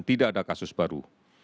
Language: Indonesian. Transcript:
tidak ada kasus baru